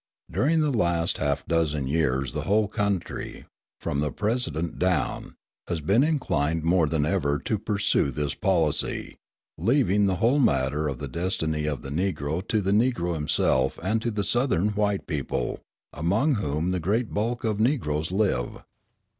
During the last half dozen years the whole country, from the President down, has been inclined more than ever to pursue this policy, leaving the whole matter of the destiny of the Negro to the Negro himself and to the Southern white people, among whom the great bulk of Negroes live.